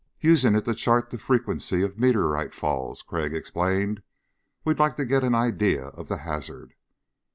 "Using it to chart the frequency of meteorite falls," Crag explained. "We'd like to get an idea of the hazard."